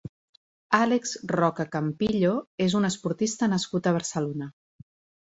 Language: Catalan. Àlex Roca Campillo és un esportista nascut a Barcelona.